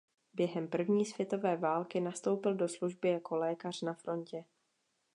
Během první světové války nastoupil do služby jako lékař na frontě.